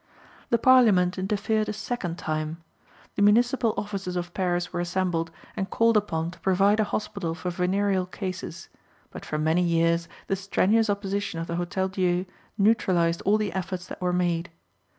The Parliament interfered a second time. The municipal officers of Paris were assembled, and called upon to provide a hospital for venereal cases; but for many years the strenuous opposition of the Hotel Dieu neutralized all the efforts that were made.